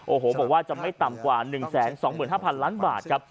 โอ้โหบอกว่าจะไม่ต่ำกว่า๑๒๕๐๐ล้านบาทครับ